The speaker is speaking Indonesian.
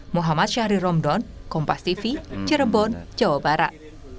mohamad syahriromdon kompas tv cirebon jawa barat